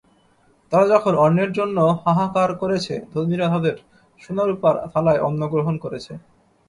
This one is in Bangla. তারা যখন অন্নের জন্য হাহাকার করেছে, ধনীরা তাদের সোনারূপার থালায় অন্নগ্রহণ করেছে।